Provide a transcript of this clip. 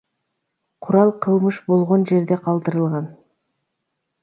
Курал кылмыш болгон жерде калтырылган.